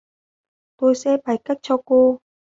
Tôi sẽ bày cách cho cô